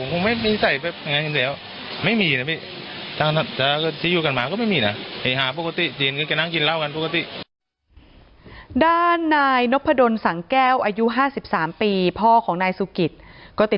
เป็นเรื่องความสุขไม่ได้